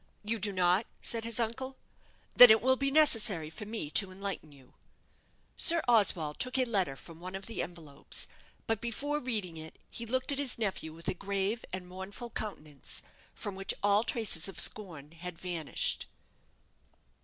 "You do not!" said his uncle; "then it will be necessary for me to enlighten you." Sir Oswald took a letter from one of the envelopes, but before reading it he looked at his nephew with a grave and mournful countenance, from which all traces of scorn had vanished.